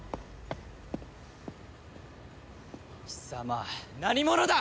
貴様何者だ！